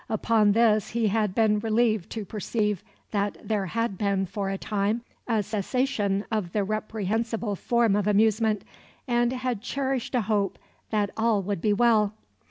Upon this he had been relieved to perceive that there had been for a time a cessation of the reprehensible form of amusement, and had cherished a hope that all would be well.